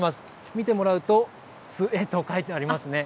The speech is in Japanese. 見てもらうと、つえと書いてありますね。